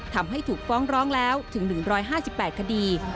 ทำให้ถูกฟ้องร้องแล้วถึง๑๕๘คดี